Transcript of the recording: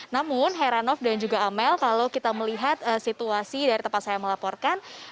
namun heranov dan juga amel kalau kita melihat situasi dari tempat saya melaporkan